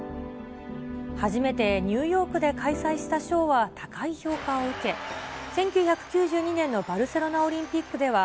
初めてニューヨークで開催したショーは高い評価を受け、１９９２年のバルセロナオリンピックでは、